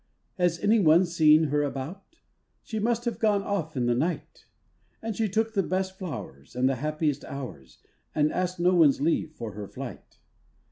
Has any one seen her about? She must have gone off in the night! And she took the best flowers And the happiest hours, And asked no one's leave for her flight.